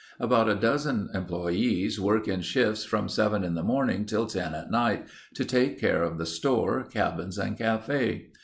About a dozen employees work in shifts from seven in the morning till ten at night, to take care of the store, cabins, and cafe.